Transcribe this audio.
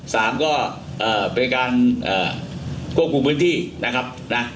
สามก็เป็นการก้มกุมพื้นที่นะครับ